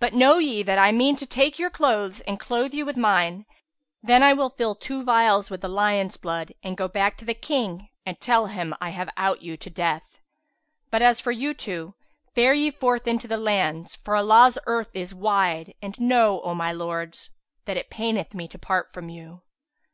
But know ye that I mean to take your clothes and clothe you with mine; then will I fill two vials with the lion's blood and go back to the King and tell him I have out vou to death. But as for you two, fare ye forth into the lands, for Allah's earth is wide; and know, O my lords, that it paineth me to part from you."